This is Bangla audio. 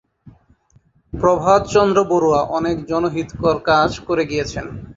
প্রভাত চন্দ্র বরুয়া অনেক জনহিতকর কাজ করে গিয়েছেন।